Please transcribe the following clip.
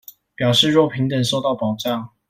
表示若平等受到保障